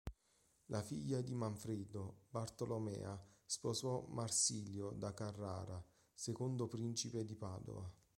La figlia di Manfredo, Bartolomea sposò Marsilio da Carrara, secondo principe di Padova.